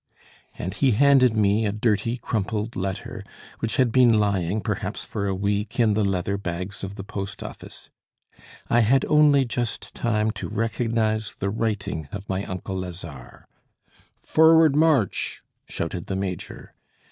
And he handed me a dirty crumpled letter, which had been lying perhaps for a week in the leather bags of the post office. I had only just time to recognise the writing of my uncle Lazare. "Forward, march!" shouted the major.